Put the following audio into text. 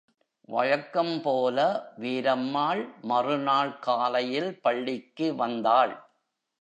வழக்கம்போல, வீரம்மாள் மறுநாள் காலையில் பள்ளிக்கு வந்தாள்.